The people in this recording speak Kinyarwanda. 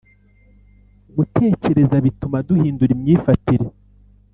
Gutekereza bituma duhindura imyifatire